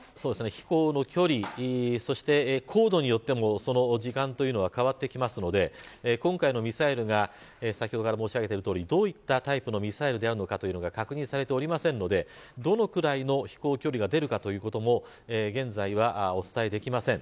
飛行の距離、そして高度によってもその時間は変わってきますので今回のミサイルが先ほどから申し上げているとおりどういったタイプのミサイルかは確認されていないのでどのくらいの飛行距離が出るかということも現在はお伝えできません。